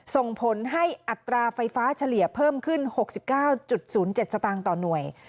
ส่งผลให้อัตราไฟฟ้าเฉลี่ยเพิ่มขึ้น๖๙๐๗สตางค์ต่อหน่วย